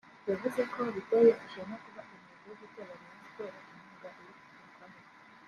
yavuze ko biteye ishema kuba intego yo gutera Rayon Sports inkunga iri kugerwaho